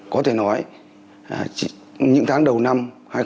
có thể nói những tháng đầu năm hai nghìn hai mươi